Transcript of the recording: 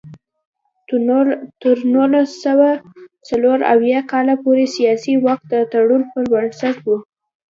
تر نولس سوه څلور اویا کال پورې سیاسي واک د تړون پر بنسټ و.